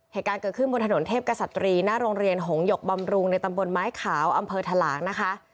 เหตุการณ์เกิดขึ้นบนถนนเทพกษัตรีหน้าโรงเรียนหงหยกบำรุงในตำบลไม้ขาวอำเภอทะหลางนะคะ